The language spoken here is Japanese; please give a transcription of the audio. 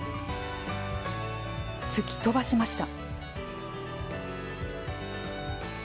突き飛ばしました。